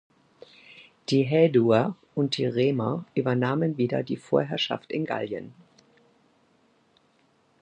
Die Haeduer und die Remer übernahmen wieder die Vorherrschaft in Gallien.